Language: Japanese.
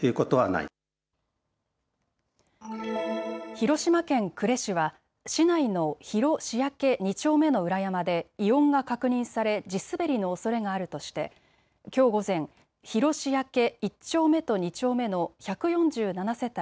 広島県呉市は市内の広塩焼２丁目の裏山で異音が確認され地滑りのおそれがあるとしてきょう午前、広塩焼１丁目と２丁目の１４７世帯